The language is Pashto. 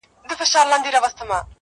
زما په مینه ورور له ورور سره جنګیږي!!